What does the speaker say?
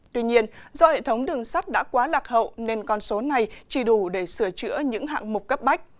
tuy nhiên do hệ thống đường sắt đã quá lạc hậu nên con số này chỉ đủ để sửa chữa những hạng mục cấp bách